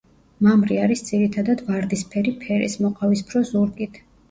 მამრი არის ძირითადად ვარდისფერი ფერის, მოყავისფრო ზურგით.